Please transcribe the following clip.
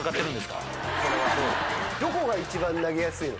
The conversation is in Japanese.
どこが一番投げやすいの？